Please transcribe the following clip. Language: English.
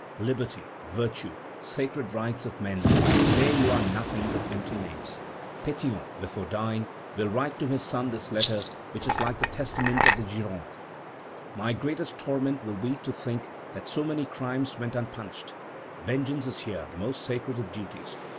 Liberty, virtue, sacred rights of men, to day you are nothing but empty names." Pétion, before dying, will write to his son this letter, which is like the testament of the Gironde: "My greatest torment will be to think that so many crimes went unpunished; vengeance is here the most sacred of duties....